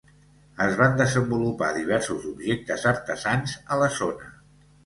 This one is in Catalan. Es van desenvolupar diversos objectes artesans a la zona.